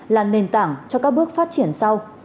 là nền tảng cho các bước phát triển sau